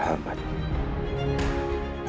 kita sepakat untuk bersahabat